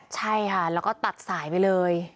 ใช่ค่ะแล้วก็ตัดสายไปเลย